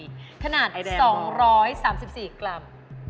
ขนาด๒๓๔กรัม